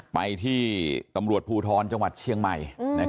ไปที่ตำรวจภูทรจังหวัดเชียงใหม่